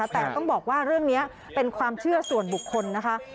แต่ต้องบอกว่าเรื่องนี้เป็นความเชื่อส่วนบุคคลนะคะ